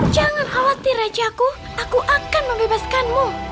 jangan khawatir rajaku aku akan membebaskanmu